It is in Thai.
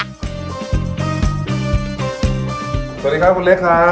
สวัสดีครับคุณเล็กครับ